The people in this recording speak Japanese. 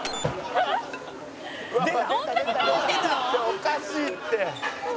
「おかしいって！」